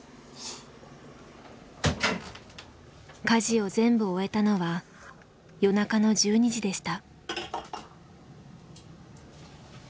家事を全部終えたのは夜中の１２時でした。